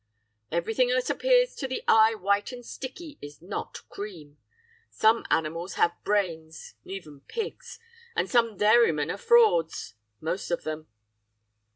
'Everything that appears to the eye white and sticky is not cream! Some animals have brains, even pigs and some dairymen are frauds most of them!